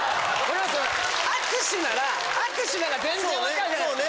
握手なら握手なら全然分かるじゃないすか。